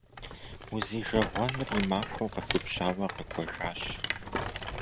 Узижэгъуэныр и махуэу къэгубжьауэ къэкӏуэжащ.